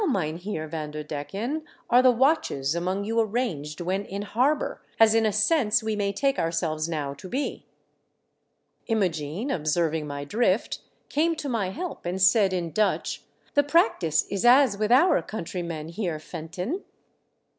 Mynheer Vanderdecken, are the watches among you arranged when in harbour, as in a sense we may take ourselves now to be ?" Imogene observing my drift came to my help and said in Dutch .The practice is as with our countrymen, Heer Fenton."